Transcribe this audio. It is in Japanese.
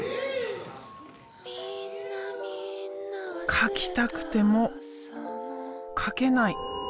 描きたくても描けない。